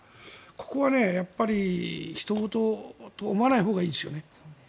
ここはひと事と思わないほうがいいですよね。